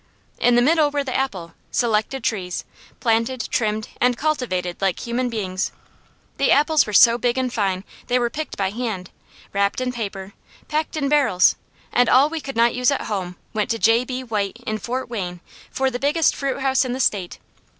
In the middle were the apple; selected trees, planted, trimmed, and cultivated like human beings. The apples were so big and fine they were picked by hand, wrapped in paper, packed in barrels, and all we could not use at home went to J. B. White in Fort Wayne for the biggest fruit house in the state.